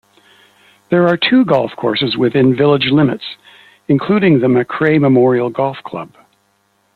There are two golf courses within village limits including the Makray Memorial Golf Club.